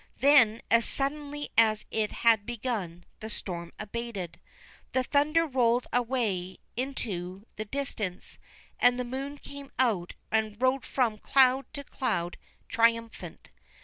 Then, as suddenly as it had begun, the storm abated. The thunder rolled away into the distance, and the moon came out and rode from cloud to cloud triumphant.